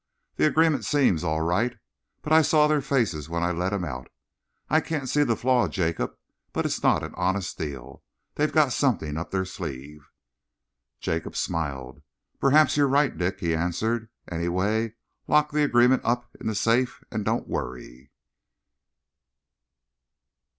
"The agreement seems all right, but I saw their faces when I let 'em out. I can't see the flaw, Jacob, but it's not an honest deal. They've got something up their sleeve." Jacob smiled. "Perhaps you're right, Dick," he answered. "Anyway, lock the agreement up in the safe and don't worry."